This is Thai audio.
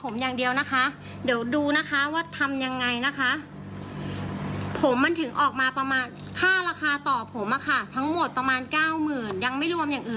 บังเถียงตักแบบนี้สามอาทิตย์ถึงสี่อาทิตย์นะคะ